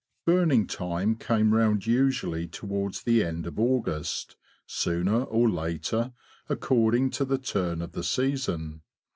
Burning time came round usually towards the end of August, sooner or later according to the turn of the season.